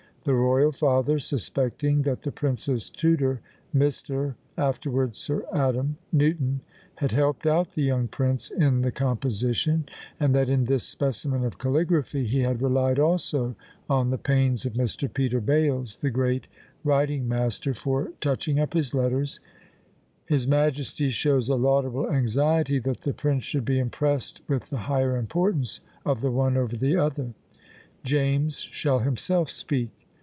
The royal father suspecting that the prince's tutor, Mr., afterwards Sir Adam, Newton, had helped out the young prince in the composition, and that in this specimen of caligraphy he had relied also on the pains of Mr. Peter Bales, the great writing master, for touching up his letters, his majesty shows a laudable anxiety that the prince should be impressed with the higher importance of the one over the other. James shall himself speak.